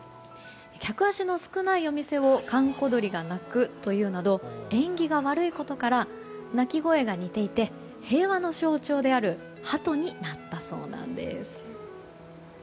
客足の少ないお店を閑古鳥が鳴くというなど縁起が悪いことから鳴き声が似ていて平和の象徴であるハトになったそうです。